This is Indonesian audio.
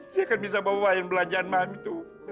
siapa yang bisa bawa bayang belanjaan mami tuh